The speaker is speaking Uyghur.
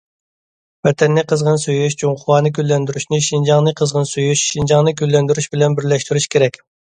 ۋەتەننى قىزغىن سۆيۈش، جۇڭخۇانى گۈللەندۈرۈشنى شىنجاڭنى قىزغىن سۆيۈش، شىنجاڭنى گۈللەندۈرۈش بىلەن بىرلەشتۈرۈش كېرەك.